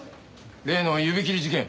例の指切り事件。